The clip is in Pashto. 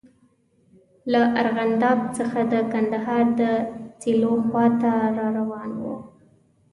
له ارغنداب څخه د کندهار د سیلو خواته را روان وو.